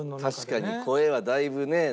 確かに声はだいぶねなんか。